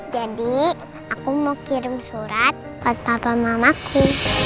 jadi aku mau kirim surat buat papa mamaku